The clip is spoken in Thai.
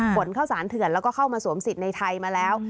ผลเข้าสารเถื่อนแล้วก็เข้ามาสวมสิทธิ์ในไทยมาแล้ว